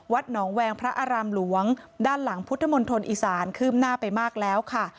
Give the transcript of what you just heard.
หนองแวงพระอารามหลวงด้านหลังพุทธมณฑลอีสานคืบหน้าไปมากแล้วค่ะ